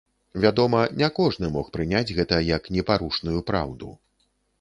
Вядома, не кожны мог прыняць гэта як непарушную праўду.